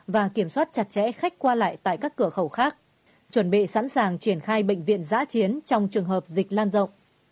và kiểm soát chặt chẽ khách qua lại tại các cửa khẩu khác chuẩn bị sẵn sàng triển khai bệnh viện giã chiến trong trường hợp dịch lan rộng